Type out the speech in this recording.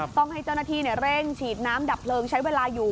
ต้องให้เจ้าหน้าที่เร่งฉีดน้ำดับเพลิงใช้เวลาอยู่